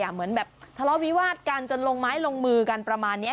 เหมือนแบบทะเลาะวิวาดกันจนลงไม้ลงมือกันประมาณนี้